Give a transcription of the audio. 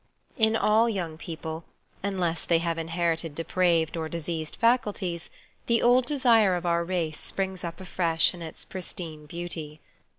In all young people, unless they have inherited depraved or diseased faculties, the old desire of our race springs up afresh in its pristine beauty.